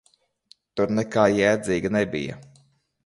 Tur nekā jēdzīga nebija.